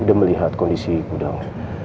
udah melihat kondisi gudang